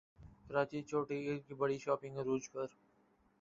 کراچی چھوٹی عید کی بڑی شاپنگ عروج پر